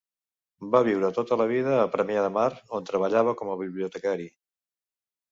Va viure tota la vida a Premià de Mar, on treballava com a bibliotecari.